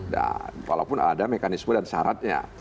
dan walaupun ada mekanisme dan syaratnya